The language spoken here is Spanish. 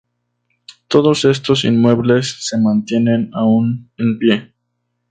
Todos estos inmuebles se mantienen aun en pie.